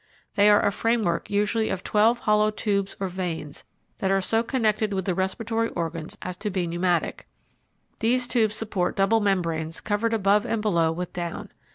They are a framework usually of twelve hollow tubes or veins that are so connected with the respiratory organs as to be pneumatic. These tubes support double membranes covered above and below with down.